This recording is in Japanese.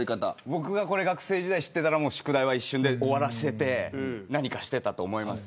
僕が学生だったら宿題は一瞬で終わらせて何かしていたと思います。